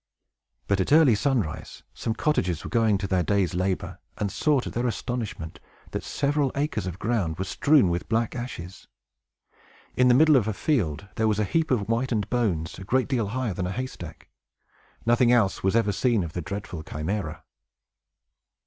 But, at early sunrise, some cottagers were going to their day's labor, and saw, to their astonishment, that several acres of ground were strewn with black ashes. In the middle of a field, there was a heap of whitened bones, a great deal higher than a haystack. Nothing else was ever seen of the dreadful Chimæra!